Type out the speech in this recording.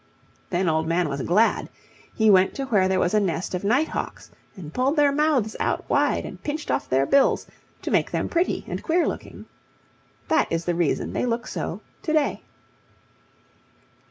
Then Old Man was glad. He went to where there was a nest of night hawks and pulled their mouths out wide and pinched off their bills, to make them pretty and queer looking. That is the reason they look so to day.